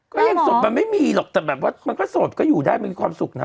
ก็ยังโสดเป็นไม่มีหรอกแต่มันก็โสดอยู่ได้มีความสุขนะ